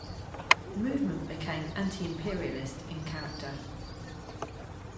The movement became anti-imperialist in character.